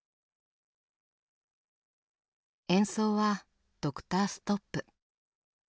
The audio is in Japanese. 演奏はドクターストップ。